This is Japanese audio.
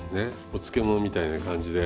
お漬物みたいな感じで。